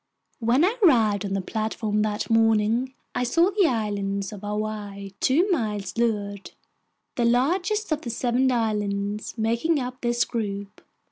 When I arrived on the platform that morning, I saw the Island of Hawaii two miles to leeward, the largest of the seven islands making up this group.